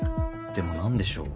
でも何でしょう？